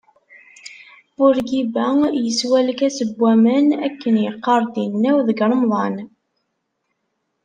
Burgiba yeswa lkas n waman akken yeqqar-d inaw deg remḍan.